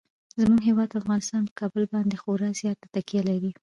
زموږ هیواد افغانستان په کابل باندې خورا زیاته تکیه لري.